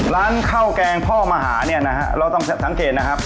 ร้านข้าวแกงพ่อมหาเนี่ยนะฮะเราต้องสังเกตนะครับ